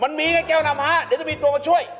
มันมีไงแกวนามหาเดี๋ยวต้องมีตัวมาช่วย